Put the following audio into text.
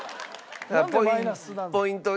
ポイント